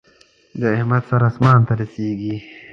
د احمد سر اسمان ته رسېږي.